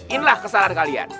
inilah kesalahan kalian